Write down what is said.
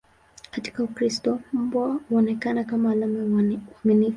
Katika Ukristo, mbwa huonekana kama alama ya uaminifu.